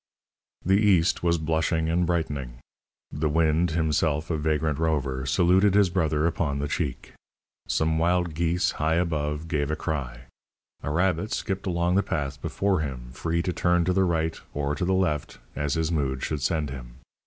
The east was blushing and brightening. The wind, himself a vagrant rover, saluted his brother upon the cheek. Some wild geese, high above, gave cry. A rabbit skipped along the path before him, free to turn to the right or to the left as his mood should send him.